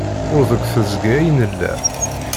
Ur deg teẓgi ay nella.